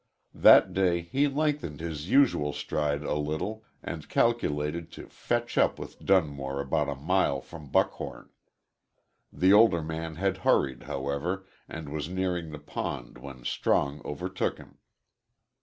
That day he lengthened his usual stride a little and calculated to "fetch up" with Dunmore about a mile from Buckhorn. The older man had hurried, however, and was nearing the pond when Strong overtook him.